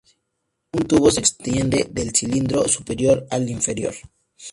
Un tubo se extiende del cilindro superior al inferior.